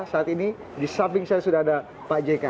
saat ini di samping saya sudah ada pak jk